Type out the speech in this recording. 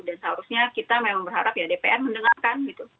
dan seharusnya kita memang berharap ya dpr mendengarkan gitu